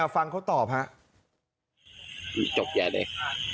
ฟังเขาตอบฮะจบใหญ่เลย